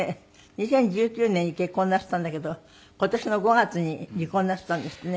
２０１９年に結婚なすったんだけど今年の５月に離婚なすったんですってね。